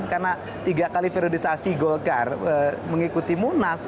karena tiga kali periodisasi golkar mengikuti munas